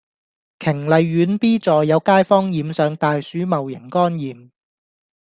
瓊麗苑 B 座有街坊染上大鼠戊型肝炎